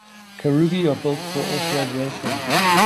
Caruggy are built for off-road racing.